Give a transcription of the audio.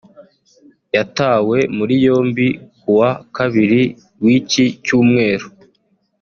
yatawe muri yombi kuwa Kabiri w’iki Cyumweru